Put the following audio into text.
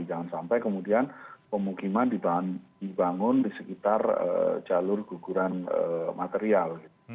jangan sampai kemudian pemukiman dibangun di sekitar jalur guguran material